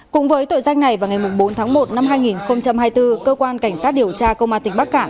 cũng với tội danh này vào ngày bốn tháng một năm hai nghìn hai mươi bốn cơ quan cảnh sát điều tra công an tỉnh bắc cạn